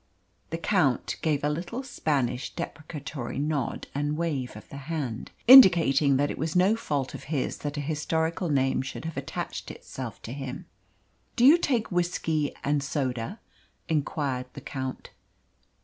The Count gave a little Spanish deprecatory nod and wave of the hand, indicating that it was no fault of his that an historical name should have attached itself to him. "Do you take whisky and soda?" inquired the Count.